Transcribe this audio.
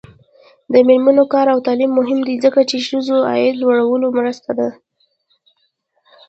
د میرمنو کار او تعلیم مهم دی ځکه چې ښځو عاید لوړولو مرسته ده.